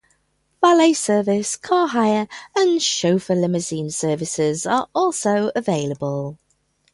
Valet service, car hire, and chauffeur limousine services are also available.